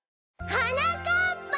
・はなかっぱ！